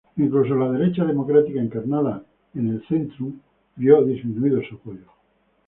Incluso la derecha democrática, encarnada en el Zentrum, vio disminuido su apoyo.